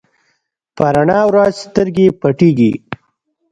په رڼا ورځ سترګې پټېږي.